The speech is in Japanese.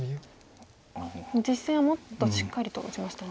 実戦はもっとしっかりと打ちましたね。